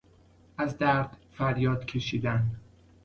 از درد فریاد کشیدن